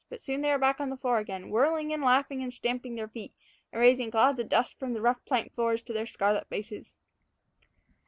But soon they were back on the floor again, whirling and laughing and stamping their feet, and raising clouds of dust from the rough plank floors to their scarlet faces.